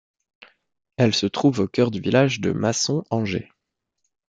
Elle se trouve au cœur du village de Masson-Angers.